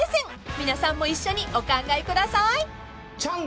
［皆さんも一緒にお考えください］